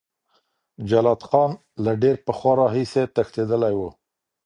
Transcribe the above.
جلات خان له ډیر پخوا راهیسې تښتېدلی و.